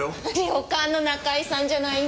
旅館の仲居さんじゃないんで。